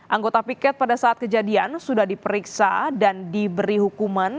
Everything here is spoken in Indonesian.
anggota piket pada saat kejadian sudah diperiksa dan diberi hukuman